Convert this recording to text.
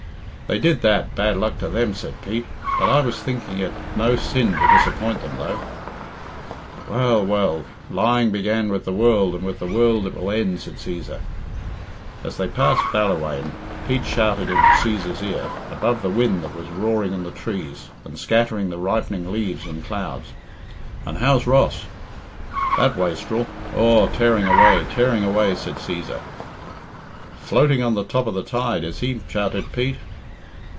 "They did that, bad luck to them," said Pete; "but I was thinking it no sin to disappoint them, though." "Well, well! lying began with the world, and with the world it will end," said Cæsar. As they passed Ballywhaine, Pete shouted into Cæsar's ear, above the wind that was roaring in the trees, and scattering the ripening leaves in clouds, "And how's Dross?" "That wastrel? Aw, tearing away, tearing away," said Cæsar. "Floating on the top of the tide, is he?" shouted Pete.